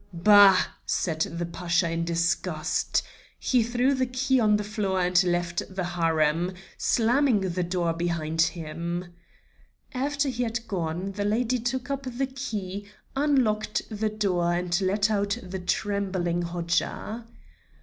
"Bah!" said the Pasha, in disgust. He threw the key on the floor and left the harem, slamming the door behind him. After he had gone, the lady took up the key, unlocked the door, and let out the trembling Hodja.